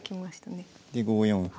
で５四歩。